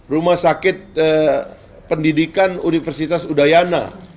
rumah sakit pendidikan universitas udayana